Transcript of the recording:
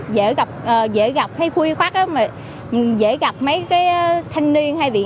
dễ gặp hay khuy khoát dễ gặp mấy cái thanh niên hay vị trí